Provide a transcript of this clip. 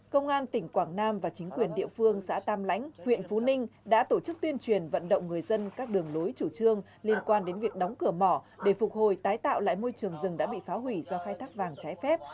công an tỉnh quảng nam và chính quyền địa phương xã tam lãnh huyện phú ninh đã tổ chức tuyên truyền vận động người dân các đường lối chủ trương liên quan đến việc đóng cửa mỏ để phục hồi tái tạo lại môi trường rừng đã bị phá hủy do khai thác vàng trái phép